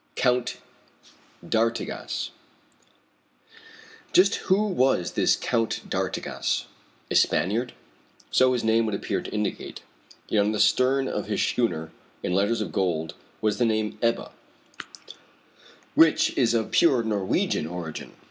COUNT D'ARTIGAS. Just who was this Count d'Artigas? A Spaniard? So his name would appear to indicate. Yet on the stern of his schooner, in letters of gold, was the name Ebba, which is of pure Norwegian origin.